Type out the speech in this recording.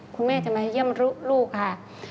คุณแม่จะมาเยี่ยมลูกค่ะ